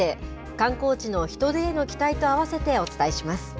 観光地の人出への期待と合わせてお伝えします。